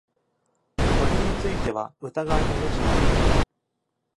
それについては疑いの余地はない。